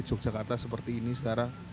yogyakarta seperti ini sekarang